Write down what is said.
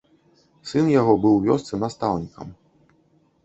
Сын яго быў у вёсцы настаўнікам.